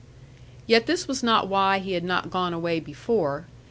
Yet this was not why he had not gone away before.